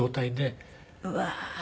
うわー。